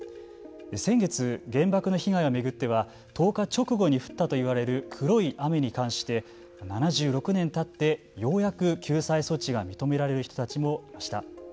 先月、原爆の被害を巡っては投下直後に降ったと言われる黒い雨に関して７６年たってようやく救済措置が認められる人たちもいました。